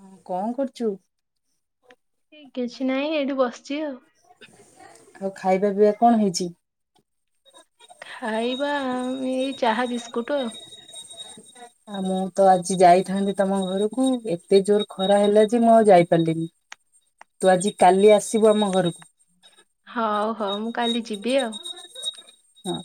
ହଁ କଣ କରୁଛୁ? କିଛି ନାଇଁ ଏଇଠି ବସିଛି ଆଉ। ଆଉ ଖାଇବା ପିଇବା କଣ ହେଇଛି? ଖାଇବା ମି ଇଏ ଚାହା ବିସ୍ କୁଟ ଆ ମୁଁ ତ ଆଜି ଯାଇଥାନ୍ତି ତମ ଘରକୁ ଏତେ ଜୋରରେ ଖରା ହେଲା ଯେ ମୁଁ ଆଉ ଯାଇପାରିଲିନି। ତୁ ଆଜି କାଲି ଆସିବୁ ଆମ ଘରକୁ। ହଉ ହଉ ମୁଁ କାଲି ଯିବି ଆଉ ହଁ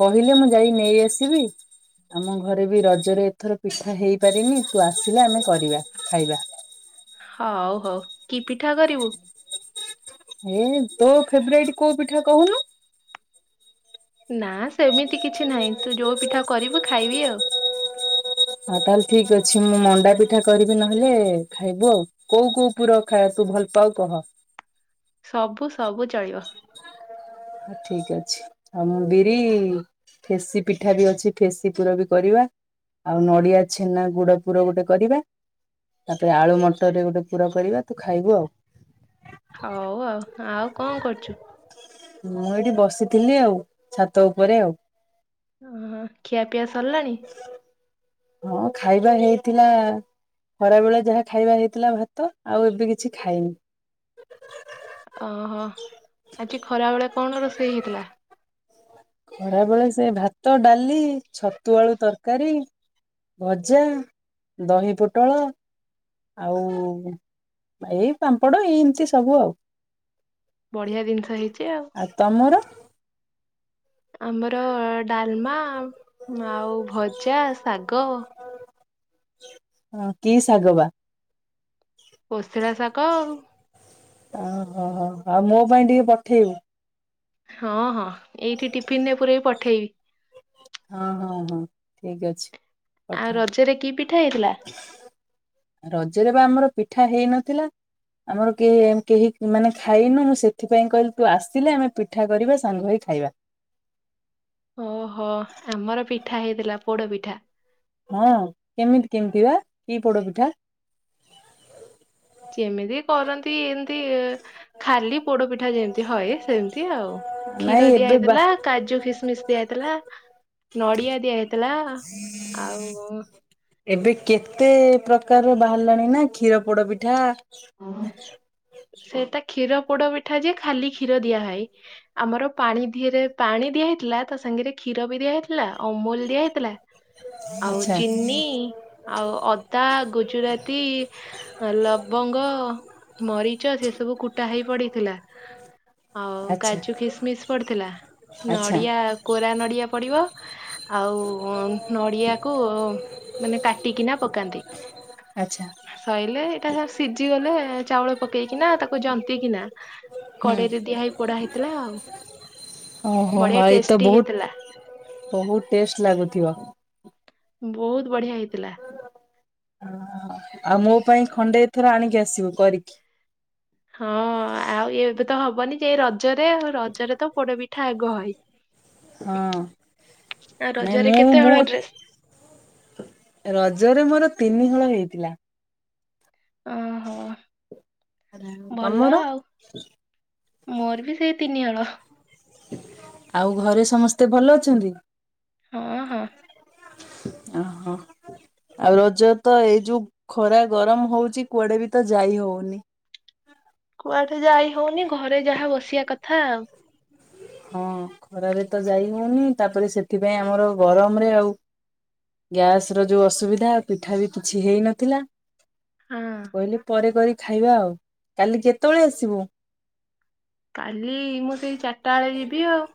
କହିଲେ ମୁଁ ଯାଇ ନେଇଆସିବି। ଆମ ଘରେ ବି ରଜରେ ଏଥର ପିଠା ହେଇପାରିନି ତୁ ଆସିଲେ ଆମେ କରିବା ଖାଇବା। ହଉ ହଉ କି ପିଠା କରିବୁ? ହେ ତୋ ଫେବରାଇଟି କୋଉ ପିଠା କହୁନୁ? ନା ସେମିତି କିଛି ନାହିଁ ତୁ ଯୋଉ ପିଠା କରିବୁ ଖାଇବି ଆଉ। ଆଉ ତାହେଲେ ଠିକ ଅଛି ମୁଁ ମଣ୍ଡା ପିଠା କରିବି ନହେଲେ ଖାଇବୁ ଆଉ। କୋଉ କୋଉ ପୁର ଖାଇବା ତୁ ଭଲ ପାଉ କହ? ସବୁ ସବୁ ଚଳିବ। ହଉ ଠିକ ଆଉ ମୁଁ ବିରି ଫେସି ପିଠା ବି ଅଛି ଫେସି ପୁର ବି କରିବା। ଆଉ ନଡିଆ ଛେନା ଗୁଡ ପୁର ଗୋଟେ କରିବା। ତାପରେ ଆଳୁ ମଟରରେ ଗୋଟେ ପୁର କରିବା। ତୁ ଖାଇବୁ ଆଉ ହଉ ଆଉ ଆଉ କଣ କରୁଛୁ? ମୁଁ ଏଇଠି ବସିଥିଲି ଆଉ ଛାତ ଉପରେ ଆଉ ଅ ହଁ ଖିଆପିଆ ସରିଲାଣି ହଁ ଖାଇବା ହେଇଥିଲା ଖରା ବେଳେ ଯାହା ଖାଇବା ହେଇଥିଲା ଭାତ ଆଉ ଏବେ କିଛି ଖାଇନି। ଓହୋ ଆଜି ଖରା ବେଳେ କଣ ରୋଷେଇ ହେଇଥିଲା? ଖରାବେଳେ ସେ ଭାତ ଡାଲି ଛତୁଆଳୁ ତରକାରୀ ଭଜା ଦହି ପୋଟଳ ଆଉ ଏଇ ପାମ୍ପଡ଼ ଏଇ ଏମିତି ସବୁ ଆଉ ବଢିଆ ଜିନିଷ ହେଇଛି ଆଉ ଆମର ଡାଲମା ଆଉ ଆଉ ଭଜା ଶାଗ ହଁ କି ଶାଗ ବା କୋଷିଳା ଶାଗ ଆଉ ଓହୋ ହୋ ଆଉ ମୋ ପାଇଁ ଟିକେ ପଠେଇବୁ। ହଁ ହଁ। ଏଇଠି ଟିଫିନ ରେ ପୁରେଇବି ପଠେଇବି। ହଁ ହଁ ହଁ ଠିକ ଅଛି। ଆଉ ପଠାଅ ରଜରେ କି ପି [inaudible] ରଜରେ ବା ଆମର ପିଠା ହେଇନଥିଲା ଆମର କେ କେହି ମାନେ ଖାଇନୁ ମୁଁ ସେଥିପାଇଁ କହିଲି ତୁ ଆସିଲେ ଆମେ ପିଠା କରିବା ସାଙ୍ଗ ହେଇ ଖାଇବା। ଅହୋ ଆମର ପିଠ ପିଠା ହେଇଥିଲା ପୋଡ ପିଠା। ହଁ କେମିତି କେମିତି ବା କି ପୋଡ ପିଠା? ଯେମିତି କରନ୍ତି ଏମିତି ଖାଲି ପୋଡପିଠା ଯେମତି ହଏ ସେମିତି ଆଉ କ୍ଷୀର ନାଇଁ ଦିଆ ଏବେ ବା ହେଇଥିଲା କାଜୁ କିସମିସ ଦିଆ ହେଇଥିଲା। ନୋଡ଼ିଆ ଦିଆ ହେ ଥିଲା ଆଉ ଏବେ କେତେ ପ୍ରକାରର ବାହାରିଲାଣି ନା କ୍ଷୀର ପୋଡ ପିଠା ସେଟା କ୍ଷୀର ପୋଡ଼ ପିଠା ଯେ ଖାଲି କ୍ଷୀର ଦିଆହଏ। ଆମର ପାଣିିରେ ଦିହରେ ପାଣି ଦିଆହଇଥିଲା ତା ସାଙ୍ଗରେ କ୍ଷୀର ବି ଦିଆହଇଥିଲା ଅମୁଲ ଦିଆ ହେଇଥିଲା। ଆଉ ଆଚ୍ଛା ଚିନି ଆଉ ଅଦା ଗୁଜୁରାତି ଲବ ଗ ମରିଚ ସେ ସବୁ କୁଟା ହେଇ ପଡିଥିଲା। ଆଉ ଆଚ୍ଛା କାଜୁ କିସମିସ ପଡିଥିଲା ଆଚ୍ଛା ନଡିଆ କୋରା ନଡିଆ ପଡିବ। ଆଉ ନଡିଆକୁ ମାନେ କାଟିକିନା ପକାନ୍ତି ଆଚ୍ଛା ସଇଲେ ଏଇଟା ସ ଭିଜି ଗଲେ ଚାଉଳ ପକେଇକିନା ତାକୁ ଜନ୍ତି କିିନା ହୁଁ କଡେଇରେ ଦିଆ ହେଇ ପୋଡା ହେଇଥିଲା ଆଉ। ଓହୋ ହ ବଢିଆ ହ ଏଇତ ଟେଷ୍ଟି ହେଇଥିଲା ବହୁତ ବହୁତ ଟେଷ୍ଟ ଲାଗୁଥିବ। ବହୁତ ବଢିଆ ହେଇଥିଲା। [inaudible] ଆଉ ମୋ ପାଇଁ ଖଣ୍ଡେ ଏଥର ଆଣିକି ଆସ ଆସିବୁ କରିକି ହଁ ଆଉ ଏବେ ତ ହବନି ସେ ରଜ ରଜରେ ଆଉ ରଜରେ ତ ପୋଡ ପିଠା ଆଗ ଘ ଇ ହଁ ନାଇଁ ରଜରେ ମୁଁ କେତେ ମୁଁ ହଳ ଡ୍ରେସ୍? ରଜରେ ମୋର ତିନି ଳ ହେଇଥିଲା। ଓହୋ ଭଲ ତମର? ଆଉ ମୋର ବି ସେଇ ତିନି ହଳ। ଆଉ ଘରେ ସମସ୍ତେ ଭଲ ଅଛନ୍ତି? ହଁ ହଁ ଓହୋ ଆଉ ରଜ ତ ଏଇ ଯୋଉ ଖରା ଗରମ ହଉଛି କୁଆଡେ ବି ତ ଯାଇ ହଉନି କୁଆଡେ ଯାଇ ହଉନି ଘରେ ଯାହା ବସିବା କଥା ଆଉ ହଁ ଖରାରେ ତ ଯାଇ ହଉନି ତାପରେ ସେଥିପାଇଁ ଆମର ଗରମରେ ଆଉ ଗ୍ୟାସ ର ଯୋଉ ଅସୁବିଧା ପିଠା ବି କିଛି ହେଇନଥିଲା। ହଁ କହିଲି ପରେ କରିି ଖାଇବା ଆଉ କାଲି କେତେବେଳେ ଆସିବୁ? କାଲି ମୁଁ ସେଇ ଚା ଟା ବେଳେ ଯିବି ଆଉ।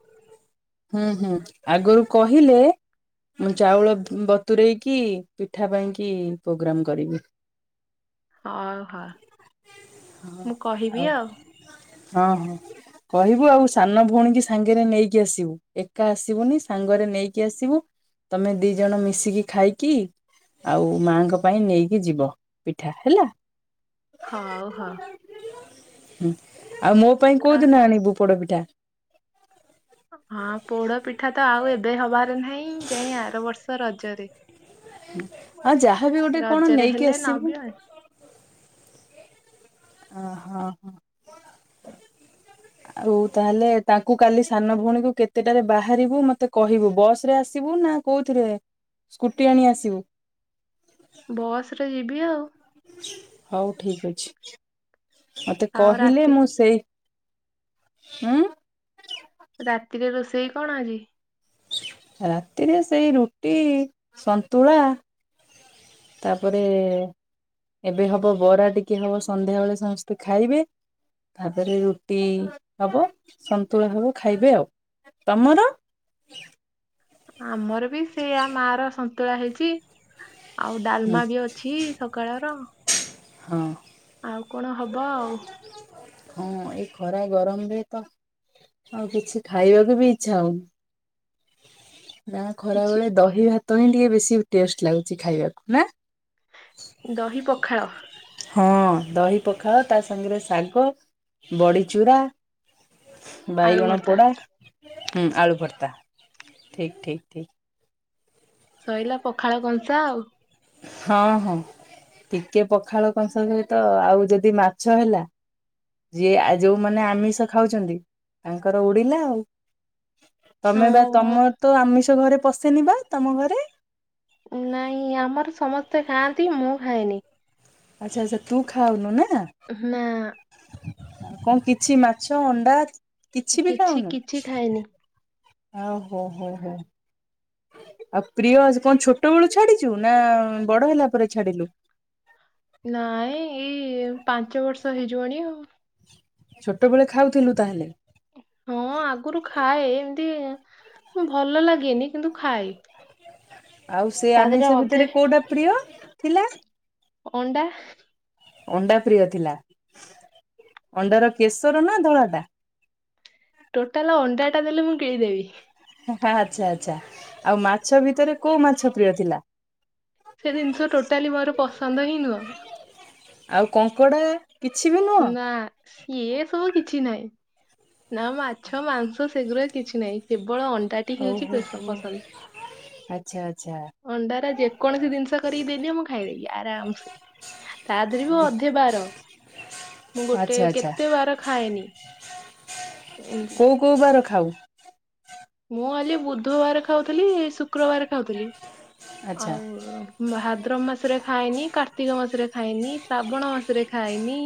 ହୁଁ ହୁଁ ଆଗରୁ କହିଲେ ମୁଁ ଚାଉଳ ବତରେଇକି ପିଠା ପାଇଁକି ପ୍ରୋଗ୍ରାମ କରିବି। ହଉହୋ ମୁଁ କହିବି ଆଉ ହଁ ହଁ କହିବୁ ଆଉ ସାନ ଭଉଣୀ କି ସାଙ୍ଗରେ ନେଇକି ଆସିବୁ। ଏକା ଆସିବୁନି ସାଙ୍ଗରେ ନେଇକି ଆସିବୁ ତମେ ଦି ଜଣ ମିଶିକି ଖାଇକି ଆଉ ମାଙ୍କ ପାଇଁ ନେଇକି ଯିବ ପିଠା ହେଲା। ହଉ ହଉ ହୁଁ। ଆଉ ମୋ ପାଇଁ କୋଉ ଆ ଦିନ ଆଣିବୁପୋଡପି ଟା ହଁ ପୋଡ ପିଠା ତ ଆଉ ଏବେ ହବାର ନାଇଁ ଯାଇଁ ଆର ବର୍ଷ ର ରଜରେ ଆଉ ଯାହାଵି ଗୋଟେ କଣ ରଜରେ ନେଇକି ହେଲେ ନବି ଆସିବୁ ଆଉ ଓହଁ ହ ଆଉ ତାହେଲେ ତାଙ୍କୁ କାଲି ସାନ ଭଉଣୀକୁ କେତେଟାରେ ବାହାରିବୁ ମତେ କହିବୁ ବସ ରେ ଆସିବୁ ନା କୋଉଥିରେ ସ୍କୁଟି ଆଣି ଆସିବୁ? ବସ ରେ ଯିବି ଆଉ। ହଉ ଠିକ ଅଛି। ମତେ ଆଉ କହିଲେ ରାତି ମୁଁ ସେଇ ଉ ରାତିରେ ରୋଷେଇ କଣ ଆଜି? ରାତିରେ ସେଇ ରୁଟି ସନ୍ତୁଳା ତାପରେ ଏବେ ହବ ବରା ଟିକେ ହବ ସନ୍ଧ୍ୟା ବେଳେ ସମସ୍ତେ ଖାଇବେ ତାପରେ ରୁଟି ହବ ସନ୍ତୁଳା ହବ ଖାଇବେ ଆଉ ତମର? ଆମର ବି ସେଇୟା ମା ର ସନ୍ତୁଳା ହେଇଛି ଆଉ ହୁଁ ଡାଲମା ବି ଅଛି ସକାଳର ହଁ। ଆଉ କଣ ହବ ଆଉ ହଁ ଏଇ ଖରା ଗରମରେ ତ ଆଉ କିଛି ଖାଇବାକୁ ବି ଇଚ୍ଛା ହଉନି। ନା ଖରା କିଛି ବେଳେ ଦହି ଭାତ ତହିଁ ଟିକେ ବେଶୀ ଟେଷ୍ଟ ଲାଗୁଛି ଖାଇବାକୁ ନାଁ? ଦହି ପଖାଳ ହଁ ଦହି ପଖାଲ ତା ସାଙ୍ଗରେ ଶାଗ ବଡ଼ିଚୂୁରା ଆଳୁ ବାଇଗଣ ଭର୍ତ୍ତା ପୋଡା ହଁ ଆଳୁ ଭର୍ତ୍ତା ଠିକ ଠିକ ଠିକ ସଇଲା ପଖାଳ କଂସା ଆଉ ହଁ ହଁ ଟିକେ ପଖାଳ କଂସା ସହିତ ଆଉ ଯଦି ମାଛ ହେଲା ଯିଏ ଯୋଉମାନେ ଆମିଷ ଖାଉଛନ୍ତି ତାଙ୍କର ଉଡିଲା ଆଉ ତମେ ବା ହଁ ତମ ମୁଁ- ତୁ ଆମିଷ ଘରେ ପଶେନି ବା ତମ ଘରେ ନାଇଁ ଆମର ସମସ୍ତେ ଖାଆନ୍ତି ମୁଁ ଖାଏନି। ଆଛା ଆଛା ତୁ ଖାାଉନୁ ନା ନା ଆଉ କଣ କିଛି ମାଛ ଅଣ୍ଡା କିଛି ବି କିଛି ଖାଉନୁ କିଛି ଖାଏନି ଓ ହୋ ହୋ ହୋ। ଆଉ ପ୍ରିୟ ଆ କଣ ଛୋଟ ବେଳୁ ଛାଡିଚୁ ନା ବଡ ହେଲା ପରେ ଛାଡିଲୁ? ନାଇଁ ଏଇ ପାଞ୍ଚ ବର୍ଷ ହେଇଯିବଣି ଆଉ ଛୋଟବେଳେ ଖାଉଥିଲୁ ତାହେଲେ? ହଁ ଆଗରୁ ଖାଏ ଏମିତି ଭଲ ଲାଗେନି କିନ୍ତୁ ଖାଏ। ଆଉ ସେ ତା ଦେହରେ ଆମିଷ ଅଧେ ଭିତରେ କୋଉଟା ପ୍ରିୟ? ଥିଲା ଅଣ୍ଡା ଅଣ୍ଡା ପ୍ରିୟ ଥିଲା ଅଣ୍ଡାର କେଶର ନା ଧଳାଟା? ଟୋଟାଲ ଅଣ୍ଡାଟା ଦେଲେ ମୁଁ ଗିଳିଦେବି। ଆଚ୍ଛା ଆଚ୍ଛା ଆଉ ମାଛ ଭିତରେ କୋଉ ମାଛ ପ୍ରିୟ ଥିଲା? ସେ ଜିନିଷ ଟୋଟାଲି ମୋର ପସନ୍ଦ ହିଁ ନୁହଁ। ଆଉ କଙ୍କଡ଼ା? କିଛି ବି ନୁହଁ? ନା ସିଏ ସବୁ କିଛି ନାହିଁ। ନା ମାଛ ମାଂସ ସେଗୁରା କିଛି ନାହିଁ କେ କେବଳ ଅଣ୍ଡାଟି ହେଉଛି ଓହୋ ପେ ହୋ। ପସନ୍ଦ ଆଚ୍ଛା ଆଚ୍ଛା ଅଣ୍ଡାର ଯେକୌଣସି ଜିନିଷ କରିକି ଦେଲି ମୁଁ ଖାଇଦେବି ଆରାମସେ ତା ଦେହରେ ବି ଅଧେ ବାର ମୁଁ ଗୋଟେ ଆଚ୍ଛା ଆଚ୍ଛା କେତେ ବାର ଖାଏନି। ଏମିତି କୋଉ କୋଉ ବାର ଖା ହଉ। ମୁଁ ଆଜି ବୁଧୁବାର ଖାଉଥିଲି ଶୁକ୍ରବାର ଖାଉଥିଲି ଆଚ୍ଛା ଆଉ ମାହା ଭାଦ୍ରମ ମାସରେ ଖାଏନି କାର୍ତ୍ତିକ ମାସରେ ଖାଏନି ଶ୍ରାବଣ ମାସରେ ଖାଏନି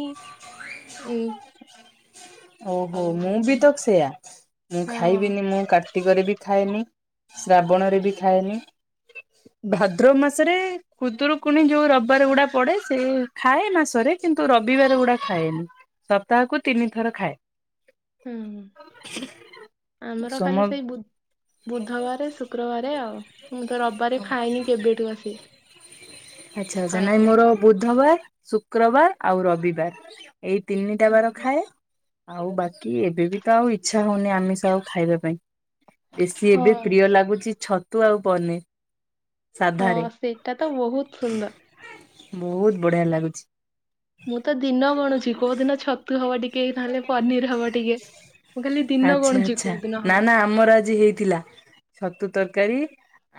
ଓହୋ ଆଉ ମୁଁ ବି ତ ହଁ ସେୟା ମୁଁ ଖାଇବିନି ମୁଁ କା କାର୍ତ୍ତିକରେ ବି ଖାଏନି ଶ୍ରାବଣରେ ବି ଖାଏନି ଭାଦ୍ରବ ମାସେରେ ଖୁଦରୁକୁୁଣି ଯୋଉ ରବିବାର ଗୁଡା ପଡେ ସେ ଖାଏ ମାସରେ କିନ୍ତୁ ରବିବାରେ ଗୁଡା ଖାଏନି ସପ୍ତାହକୁ ତିନି ଥର ଖାଏ। ହୁଁ ଆମର ଖାଲି ସୋମ ସେଇ ବୁ ବୁଧବାରେ ଶୁକ୍ରବାରେ ଆଉ ମୁଁ ତ ରବିବାରେ ଖାଏନି କେବେଠୁ ଆସି। ଆଚ୍ଛା ଆଚ୍ଛା ନାଇଁ ମୋର ଆଉ ବୁଧବାର ଶୁକ୍ରବାର ଆଉ ରବିବାର। ଏଇ ତିନିଟା ବାର ହୁଁ, ଖାଏ। ଆଉ ବାକି ଏବେ ବି ତ ଆଉ ଇଚ୍ଛା ହଉନି ଆମିଷ ଆଉ ଖାଇବା ପାଇଁ। ବେଶୀ ଏବେ ହଁ ପ୍ରିୟ ଲାଗୁଚି ଛ ତୁ ଆଉ। [unintelligible] ହଁ ସେଇଟା ତ ବ ବହୁତ ସୁନ୍ଦର ବହୁତ ବଢିଆ ଲାଗୁଚି। ମୁଁ ତ ଦିନ ଗଣୁଛି କୋଉ ଦିନ ଛତୁ ହବ ଟି କେ ତାହେଲେ ପନିର ହବ ଟିକେ ମୁଁ ଖାଲି ଦିନ ଆଚ୍ଛା ଗଣୁଛି ଆଚ୍ଛା କୋଉ ଦିନ ନା ହବ ନା ଆମର ଆଜି ହେଇଥିଲା ଛତୁ ତର ତରକାରୀ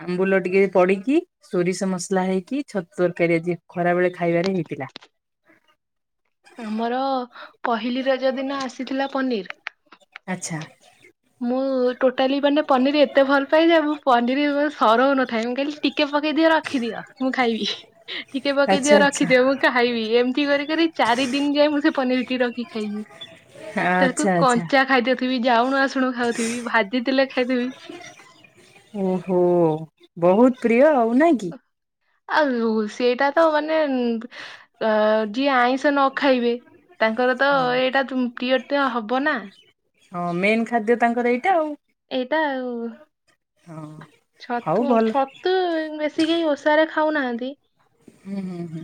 ଆମ୍ବୁଲ ଟିକେ ପଡିକି ସୋରିଷ ମସଲା ହେଇକି ଛତୁ ତରକାରୀ ଆଜି ଖରା ବେଳେ ଖାଇବାରେ ହେଇଥିଲା। ଆମର ପହିଲି ରଜ ଦିନ ଆସିଥିଲା ପନିର। ଆଚ୍ଛା। ମୁଁ ଟୋଟାଲି ମାନେ ପନିର ଏତେ ଭଲ ପାଏ ଯେ ମୁଁ ପନିର ସରଉ ନଥାଏ ମୁଁ କହିଲି ଟିକେ ପକେଇ ଦିଅ ରଖିଦିଅ ମୁଁ ଖାଇବି ଟିକେ। ଟିକେ ଆଚ୍ଛା ପକେଇଦିଅ ଆଚ୍ଛା ରଖିଦିଅ ମୁଁ ଖାଇବି ଏମିତି କରି ଚାରି ଦିନ ଯାଏ ମୁଁ ସେ ପନିର କି ରଖି ଖାଇଛିି। ତାକୁ ଆଚ୍ଛା ଆଚ୍ଛା। କଞ୍ଚା ଖାଇଦି ସିଏବି ଯାଉଣୁ ଆସୁଣୁ ଶୁଣୁ ଖାଉଥିବି ଭାଜିଥିଲେ ଖାଇଦେବି। ଓହୋ ବହୁତ ପ୍ରିୟ ଆଉ। [unintelligible] କି ଆଉ ସେଇଟା ତ ମାନେ ଯିଏ ଆଇଁଷ ନ ଖାଇବେ ତାଙ୍କର ତ ହଁ। ଏଇଟା ପ୍ରିୟ ତ ହବ ନା। ହଁ ମେନ୍ ଖାଦ୍ୟ ତାଙ୍କର ଏଇଟା ଆଉ। ଏଇଟା ଆଉ ହଁ ହଉ ଛତୁ ଭଲ ଛତୁ ବେଶି କେହି ଓଷାରେ ଖାଉନାହାନ୍ତି। ହୁଁ ହୁଁ ହୁଁ।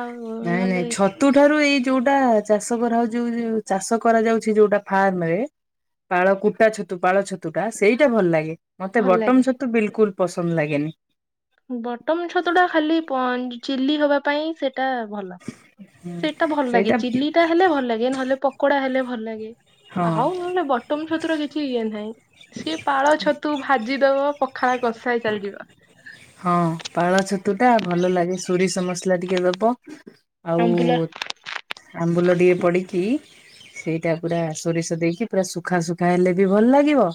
ଆଉ ନାଇଁ ନାଇଁ ନହେଲେ ଛତୁ ଠାରୁ ଏଇ ଯୋଉଟା ଚାଷ କରାଉ ଯୋଉ ଯୋଉ ଚାଷ କରାଯାଉଛି ଯୋଉଟା ଫାର୍ମ ରେ ପାଳ କୁଟା ଛତୁ ପାଳ ଛତୁ ଟା ସେଇଟା ଭଲ ଲାଗେ। ମତେ ଭଲ ଲାଗେ। ବଟମ ଛତୁ ବିଲକୁଲ ପସନ୍ଦ ଲାଗେନି। ବଟମ ଛତୁ ଟା ଖାଲି ପ ଚିଲି ହବା ପାଇଁ ସେ ଟା ଭଲ ସେଇଟା ଭଲ ସେଇଟା ଭଲ ଲାଗେ ଚିଲି ଟା ହେଲେ ଭଲ ଲାଗେ ନହେଲେ ପ ପକୋଡ଼ା ହେଲେ ଭଲ ଲାଗେ। ହଁ ଆଉ ନହେଲେ ବଟନ ଛତୁର କିଛି ଇଏ ନାହିଁ। ସିଏ ପାଳ ଛତୁ ଭାଜି। ଦେବ ପଖାଳ କସାଏ ଚାଲିଯିବ। ହଁ ପାଳଛ ତୁଟା ଭଲ ଲାଗେ ସୋରିଷ ମ ମସଲା ଟିକେ ଦବ। ଆଉ ଆମ୍ବୁଲା ଆମ୍ବୁଲ [inaudible] ପଡିକି ସେଇଟା ପୁରା ସୋରିଷ ଦେଇକି ପୁରା ଶୁଖା ଶୁଖା ହେଲେ ବି ଭଲ ଲାଗିବ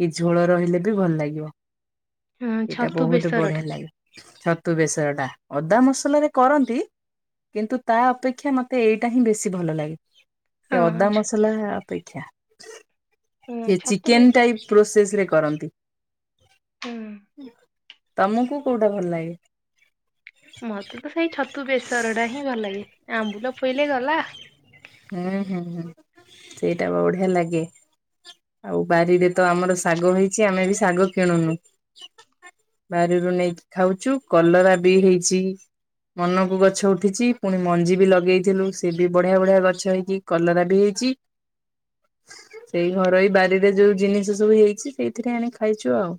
କି ଝୋଳ ରହିଲେ ବି ଭଲ ଲାଗିବ। ହୁଁ ଏଇଟା ଛତୁ ବହୁତ ବେସର୍ ବଢିଆ ଲାଗେ ଛତ୍ ତୁ ବେସରଟା, ଅଦା ମସଲାରେ କରନ୍ତି କିନ୍ତୁ ତା ଅପେକ୍ଷା ମୋତେ ଏଇଟା ହିଁ ବେଶୀ ଭଲ ଲାଗେ। ହଁ ସେ ଅଦା ଛ- ମସଲା ଅପେକ୍ଷା, ହଁ ସେ ଛତୁ ଚିକେନ୍ ବେଶ ଟାଇପ୍ ପ୍ରୋସେସରେ କରନ୍ତି। ହୁଁ। ତମକୁ କୋଉଟା ଭଲ ଲାଗେ? ମତେ ତ ସେଇ ଛତୁ ବେସରଟା ହିଁ ଭଲ ଲାଗେ, ଆମ୍ବୁଲ ପଇଲେ ଗଲା। ହୁଁ ହୁଁ ହୁଁ, ସେଇଟା ପା ବଢିଆ ଲାଗେ ଆଉ ବାରିରେ ତ ଆମର ଶାଗ ହେଇଛି ଆମେ ବି ଶାଗ କିଣୁନୁ, ବାରିରୁ ନେଇକି ଖାଉଛୁ, କଲରା ବି ହେଇଛି ମନକୁ ଗଛ ଉଠିଛି ପୁଣି ମଞ୍ଜି ବି ଲଗେଇଥିଲୁ ସେ ବି ବଢିଆ ବଢିଆ ଗ ଗଛ ହେଇକି କଲରା ବି ହେଇଛି, ସେଇ ଘରୋଇ ବାରିରେ ଯୋଉ ଜିନିଷ ସବୁ ହେଇଛି ସେଇଥିରେ ଆଣି ଖାଇଛୁ ଆଉ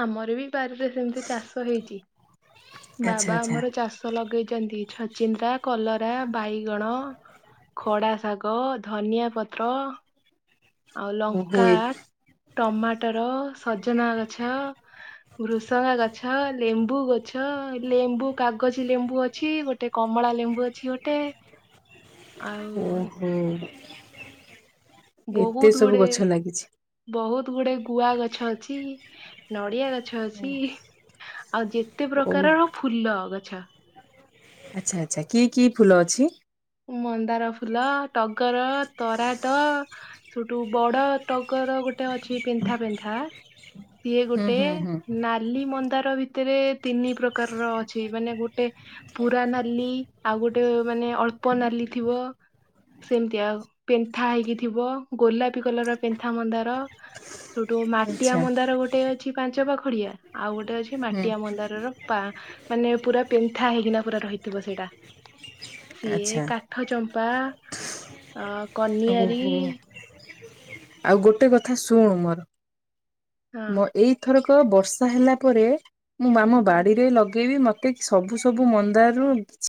ଆମର ବି ବାରିରେ ସେମିତି ଚାଷ ହେଇଚି। ଆଚ୍ଛା ବାବା ଆଚ୍ଛା ଆମର ଚାଷ ଲଗେଇଚନ୍ତି। ଛଚିନ୍ଦ୍ରା କଲରା ବାଇଗଣ ଖଡ଼ା ଶାଗ, ଧନିଆ ପତ୍ର। ଆଉ ଓହୋ ଲଙ୍କା ଏ ଟମାଟର, ସଜନା ଗଛ, ଭୃସଙ୍ଗା ଗଛ, ଲେମ୍ବୁ ଗଛ, ଲେମ୍ବୁ କାଗଜି ଲେମ୍ବୁ ଅଛି, ଗୋଟେ କମଳା ଲେମ୍ବୁ ଅଛି ଗୋଟେ। ଆଉ ଓହୋଃ ଏତେ ସବୁ ଗଛ ଲାଗିଛି। ଗୋଟେ ଗୁଆ ଗଛ ଅଛି ନଡିଆ ଗ ଗଛ ଅଛି ଆଉ ଯେତେ ଓ ପ୍ରକାରର ଫୁଲ ଗ ଆଛା। ଆଚ୍ଛା ଆଚ୍ଛା କି କି ଫୁଲ ଅଛି? ମନ୍ଦାର ଫୁଲ ଟଗର ତରାଟ ସୋଉଠୁ ବଡ ଟଗର ଗୋଟ୍ ଗୋଟେ ଅଛି ପେନ୍ଥା ପେନ୍ଥା ସିଏ ହୁଁ ଗୋଟେ ହୁଁ ହୁଁ ନାଲି ମନ୍ଦ୍ ତାର ଭିତରେ ତିନି ପ୍ରକାରର ଅଛି ମାନେ ଗୋଟ୍ ଗୋଟେ ପୁରା ନାଲି ଆଉ ଗୋଟେ ମାନେ ଅଳ୍ ଳ୍ପ ନାଲି ଥିବ ସେମତି ଆଉ ପେନ୍ଥା ହେଇକି ଥିବ ଗୋଲାପ୍ [inaudible] କଲରର ପେନ୍ଥା ମନ୍ଦାର, ସୋଉଠୁ ହୁଁ। ମାଟିଆ ମନ୍ଦାର ଗୋଟେ ଅଛି। ପାଞ୍ଚ ପାଖୁଡିଆ ଆଉ ଗୋଟେ ଅ ମାଟିଆ ମନ୍ଦାରର ପା ମାନେ ପୁରା ପେନ୍ଥା ହେଇକିନା ପୁରା ରହି ଥିବ ସେଇଟା। ସିଏ ଆଚ୍ଛା କାଠ ଚମ୍ପା ଅ ଓହୋ। କନିଆରୀ ଆଉ ଗୋଟେ କଥା ଶୁଣୁ ମୋର ମୁଁ ଏଇଥରକ ବର୍ଷା ହେଲା ପରେ ମୁଁ ଆମ ହଁ ବାଡିରେ ଲଗେଇବି ମ ସବୁ ସବୁ ମନ୍ଦାର ରୁ